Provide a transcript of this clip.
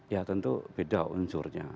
ya tentu beda unsurnya